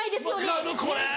分かるこれ！